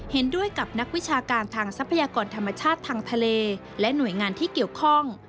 เห็นด้วยกับนักวิชาการทางทรัพยากรธรรมชาติทางทะเลและหน่วยงานที่เกี่ยวข้อง